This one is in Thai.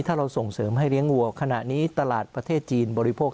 ถ้าเราส่งเสริมให้เลี้ยงวัวขณะนี้ตลาดประเทศจีนบริโภค